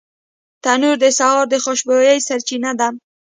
تنور د سهار د خوشبویۍ سرچینه ده